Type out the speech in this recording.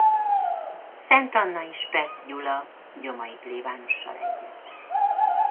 Szentannai-Spett Gyula gyomai plébánossal együtt.